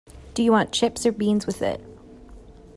Do you want chips or beans with it?